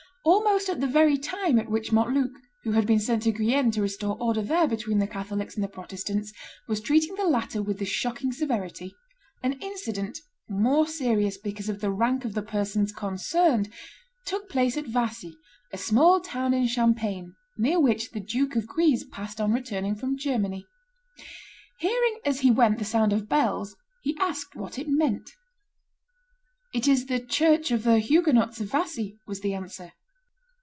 ] Almost at the very time at which Montluc, who had been sent to Guienne to restore order there between the Catholics and the Protestants, was treating the latter with this shocking severity, an incident, more serious because of the rank of the persons concerned, took place at Vassy, a small town in Champagne, near which the Duke of Guise passed on returning from Germany. Hearing, as he went, the sound of bells, he asked what it meant. "It is the church of the Huguenots of Vassy," was the answer.